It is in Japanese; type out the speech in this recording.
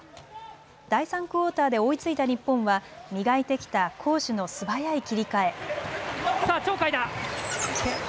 第３クオーターで追いついた日本は磨いてきた攻守の素早い切り替え。